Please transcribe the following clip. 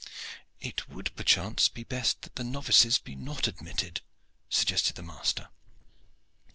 "It would, perchance, be best that the novices be not admitted," suggested the master.